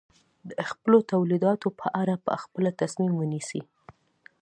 د خپلو تولیداتو په اړه په خپله تصمیم ونیسي.